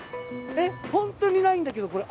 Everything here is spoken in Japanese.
えっ本当にないんだけどこれ。